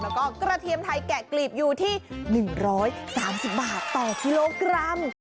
แล้วก็กระเทียมไทยแกะกลีบอยู่ที่๑๓๐บาทต่อกิโลกรัม